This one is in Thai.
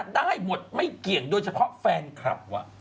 ได้หมดไม่เกี่ยงโดยเฉพาะแฟนคลับว่ะ